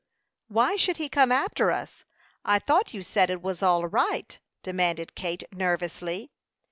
"Why should he come after us? I thought you said it was all right," demanded Kate, nervously.